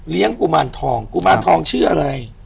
กุมารทองกุมารทองชื่ออะไร